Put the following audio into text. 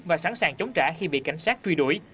và sẵn sàng chống trả khi bị cảnh sát truy đuổi